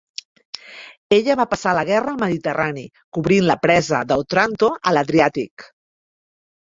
Ella va passar la guerra al Mediterrani, cobrint la presa d'Otranto a l'Adriàtic.